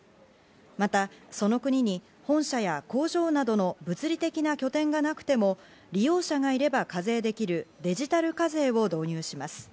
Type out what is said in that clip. またその国に本社や工場などの物理的な拠点がなくても利用者がいれば課税できるデジタル課税を導入します。